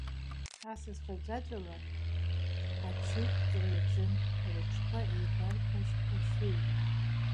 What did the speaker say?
Асасцәа аӡәаӡәала аҽыжәҵра иаҿын, рыҽқәа еибарқәашьқәашьеиуа.